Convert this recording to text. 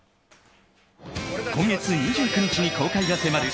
今月２９日に公開が迫る